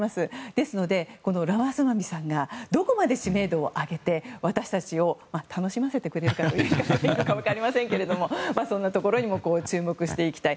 ですので、ラマスワミさんがどこまで知名度を上げて私たちを楽しませてくれるのかという言い方でいいのか分かりませんがそんなところにも注目していきたい。